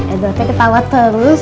eh doknya ketawa terus